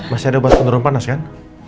masih ada batas penurunan panas kan